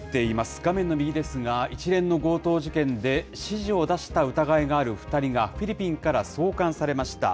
画面の右ですが、一連の強盗事件で指示を出した疑いがある２人がフィリピンから送還されました。